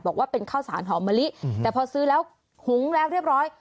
บอกว่าเป็นข้าวสารหอมมะลิแต่พอซื้อแล้วหุงแล้วเรียบร้อย